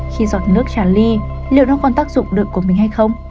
khi giọt nước tràn ly liệu nó còn tác dụng được của mình hay không